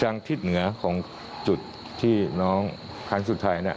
ทิศเหนือของจุดที่น้องครั้งสุดท้ายเนี่ย